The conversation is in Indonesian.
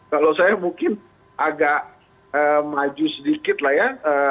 kalau saya mungkin agak maju sedikit lah ya